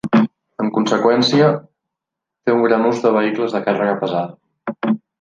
En conseqüència, té un gran ús de vehicles de càrrega pesada.